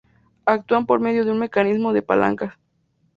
Actúan por medio de un mecanismo de palancas.